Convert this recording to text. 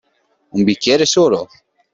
Un bicchiere solo.